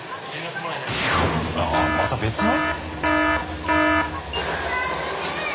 ああっまた別の？